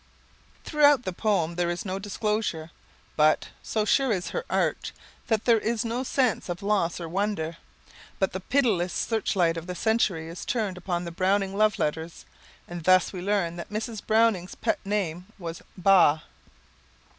Throughout the poem there is no disclosure, but, so sure is her art, that there is no sense of loss or wonder. But the pitiless searchlight of the century is turned upon the Browning love letters, and thus we learn that Mrs. Browning's pet name was Ba!